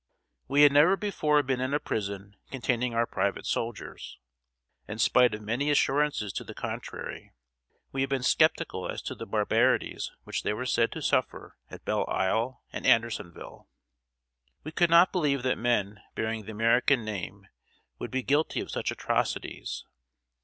We had never before been in a prison containing our private soldiers. In spite of many assurances to the contrary, we had been skeptical as to the barbarities which they were said to suffer at Belle Isle and Andersonville. We could not believe that men bearing the American name would be guilty of such atrocities.